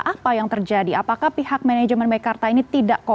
apa yang terjadi apakah pihak manajemen mekarta ini tidak